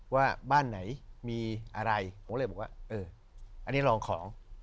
ว่าบ้านไหนมีอะไรผมก็เลยบอกว่าเอออันนี้ลองของ